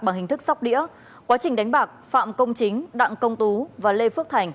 bằng hình thức sóc đĩa quá trình đánh bạc phạm công chính đặng công tú và lê phước thành